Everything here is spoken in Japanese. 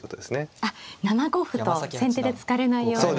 あっ７五歩と先手で突かれないように。